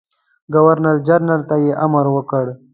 ګورنرجنرال ته یې امر وکړ.